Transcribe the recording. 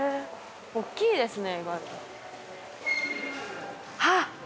大きいですね。